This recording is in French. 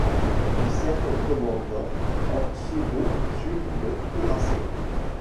Il sert comme commandant en second sur le cuirassé '.